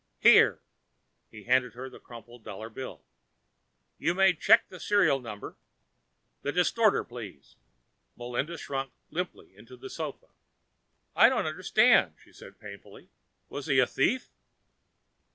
Here " He handed her the crumpled dollar bill. "You may check the serial number. The distorter, please." Melinda shrunk limply onto the sofa. "I don't understand," she said painfully. "Was he a thief?"